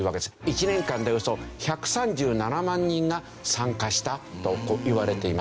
１年間でおよそ１３７万人が参加したといわれています。